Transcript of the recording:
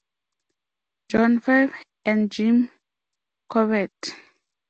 John Fife and Jim Corbett.